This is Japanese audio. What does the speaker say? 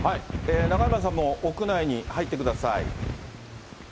中山さんも屋内に入ってください。